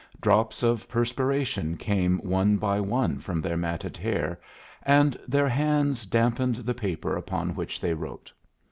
Drops of perspiration came one by one from their matted hair, and their hands dampened the paper upon which they wrote.